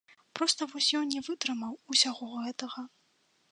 Проста вось ён не вытрымаў усяго гэтага.